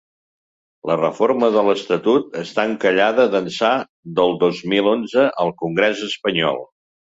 La reforma de l’estatut està encallada d’ençà del dos mil onze al congrés espanyol.